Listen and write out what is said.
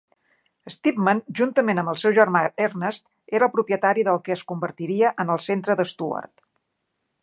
Stypmann, juntament amb el seu germà Ernest, era el propietari del que es convertiria en el centre d'Stuart.